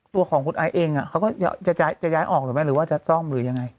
ตัวของคุณไอซ์เองเขาก็จะย้ายออกหรือไม่หรือว่าจะซ่อมหรือยังไง